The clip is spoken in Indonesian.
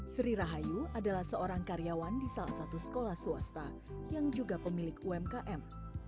sri rahayu adalah seorang karyawan di salah satu sekolah swasta yang juga pemilik umkm